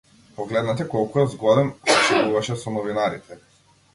Погледнете колку е згоден, се шегуваше со новинарите.